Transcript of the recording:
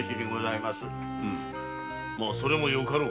まあそれもよかろう。